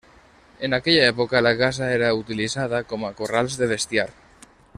En aquella època la casa era utilitzada com a corrals de bestiar.